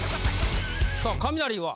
さあカミナリは？